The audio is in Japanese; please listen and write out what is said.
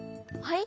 はい？